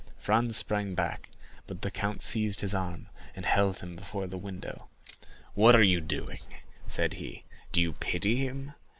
Franz sprang back, but the count seized his arm, and held him before the window. "What are you doing?" said he. "Do you pity him?